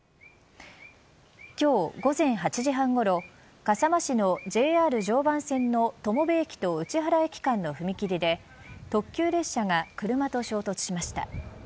今日、午前８時半ごろ笠間市のＪＲ常磐線の友部駅と内原駅間の踏切で特急列車が車と衝突しました。